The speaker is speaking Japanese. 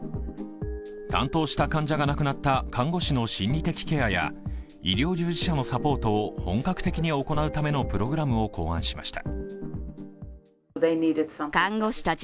担当した患者が亡くなった看護師の心理的ケアや医療従事者のサポートを本格的に行うためのプログラムを考案しました。